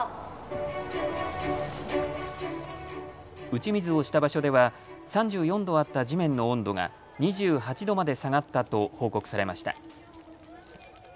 打ち水をした場所では３４度あった地面の温度が２８度まで下がったと報告されました。